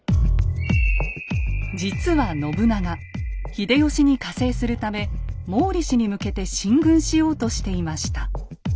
秀吉に加勢するため毛利氏に向けて進軍しようとしていました。